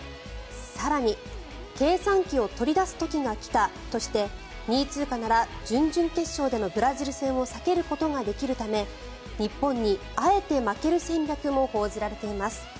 更に、計算機を取り出す時が来たとして２位通過なら準々決勝でのブラジル戦を避けることができるため日本にあえて負ける戦略も報じられています。